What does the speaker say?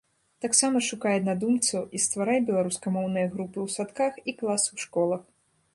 Таксама шукай аднадумцаў і стварай беларускамоўныя групы ў садках і класы ў школах.